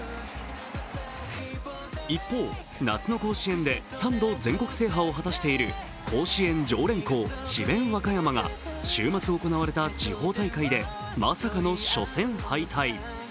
一方、夏の甲子園で３度全国制覇を果たしている甲子園常連校・智弁和歌山が週末行われた地方大会でまさかの初戦敗退。